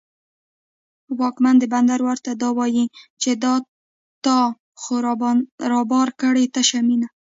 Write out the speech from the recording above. واکمن د بندر ورته دا وايي، چې دا تا خو رابار کړې تشه مینه